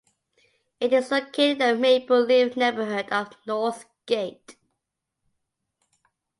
It is located in the Maple Leaf neighborhood of Northgate.